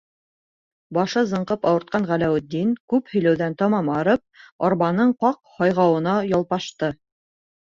- Башы зыңҡып ауыртҡан Ғәләүетдин, күп һөйләүҙән тамам арып, арбаның ҡаҡ һайғауына ялпашты.